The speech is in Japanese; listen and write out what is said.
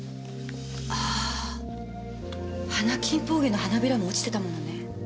ああハナキンポウゲの花びらも落ちてたものね。